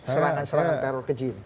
serangan serangan teror ke gym